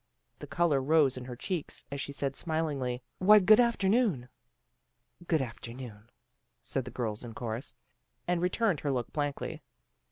The color rose in her cheeks, as she said smilingly, " Why, good afternoon." " Good afternoon," said the girls in chorus, and returned her look blankly.